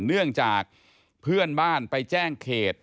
เนื่องจากเพื่อนบ้านไปแจ้งเขต